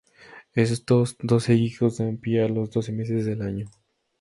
Estos doce hijos dan pie a los doce meses del año.